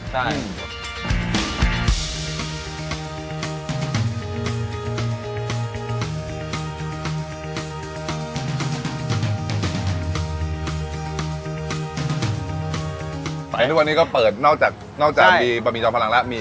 แต่ทุกวันนี้ก็เปิดนอกจากบะหมี่จอมพลังแล้ว